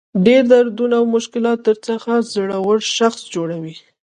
ډېر دردونه او مشکلات درڅخه زړور شخص جوړوي.